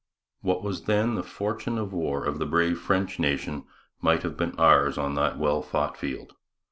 What was then the fortune of war of the brave French nation might have been ours on that well fought field.